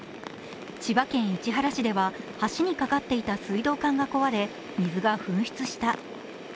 千葉県市原市では橋にかかっていた水道管が壊れ水が噴出した。